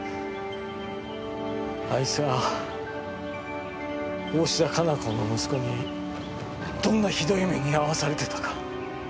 あいつが大信田加奈子の息子にどんなひどい目に遭わされてたか。